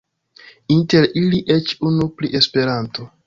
Inter ili eĉ unu pri Esperanto.